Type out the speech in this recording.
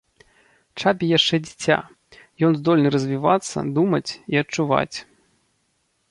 Чапі яшчэ дзіця, ён здольны развівацца, думаць і адчуваць.